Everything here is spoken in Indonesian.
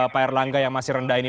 payarlangga yang masih rendah ini